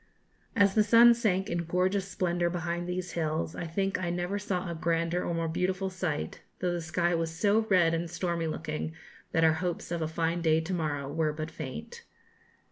As the sun sank in gorgeous splendour behind these hills, I think I never saw a grander or more beautiful sight; though the sky was so red and stormy looking that our hopes of a fine day to morrow were but faint.